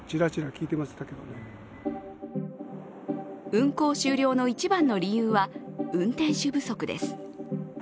運行終了の一番の理由は運転手不足です。